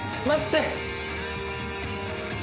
待って。